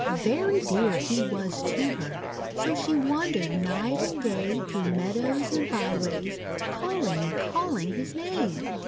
Very dear he was to her; so she wandered night and day through meadows and by ways calling and call ing his name.